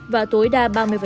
và tối đa ba mươi